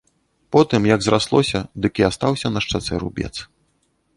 Потым, як зраслося, дык і астаўся на шчацэ рубец.